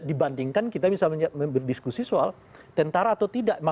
dibandingkan kita bisa berdiskusi soal tentara atau tidak